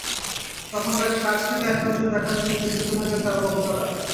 তখন তাঁকে কাছ থেকে একনজর দেখার জন্য ভিড় করতে থাকেন তাঁর ভক্তরা।